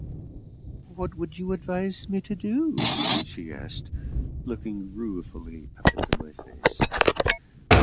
"What would you advise me to do?" she asked, looking ruefully up into my face.